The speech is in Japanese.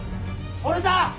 俺だ！